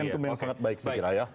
momentum yang sangat baik saya kira ya